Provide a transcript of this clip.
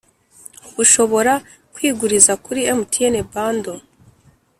Ubu ushobora kwiguriza kuri mtn bando